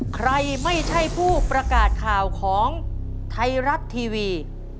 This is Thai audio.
ใครไม่ใช่ผู้ประกาศข่าวของไทยรัฐทีวี